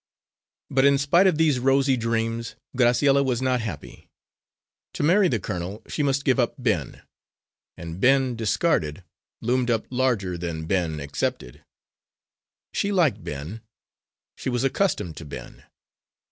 But in spite of these rosy dreams, Graciella was not happy. To marry the colonel she must give up Ben; and Ben, discarded, loomed up larger than Ben, accepted. She liked Ben; she was accustomed to Ben.